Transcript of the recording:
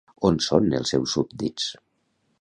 On són els seus súbdits?